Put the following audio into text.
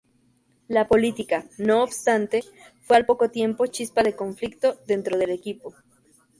La política, no obstante, fue al poco tiempo chispa de conflicto dentro del equipo.